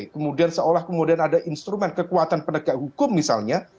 kemudian seolah kemudian ada instrumen kekuatan penegak hukum misalnya